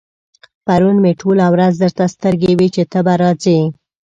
پرون مې ټوله ورځ درته سترګې وې چې ته به راځې.